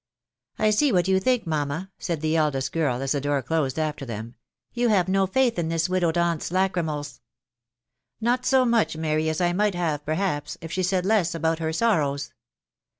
" I see what you think, mamma," said the eldest girl, as the door closed after them; " you have no faith in this widowed aunt's lachrymals ?"" Not so much, Mary, as I might have, perhaps, if she said less about her sorrows."